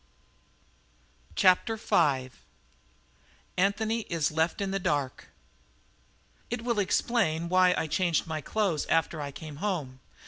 CHAPTER V ANTHONY IS LEFT IN THE DARK "It will explain why I changed my clothes after I came home.